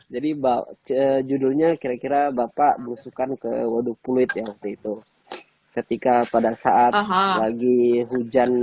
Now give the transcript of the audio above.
jadi judulnya kira kira bapak berusukan ke waduk pulut yang begitu ketika pada saat lagi hujan